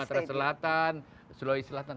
sumatera selatan sulawesi selatan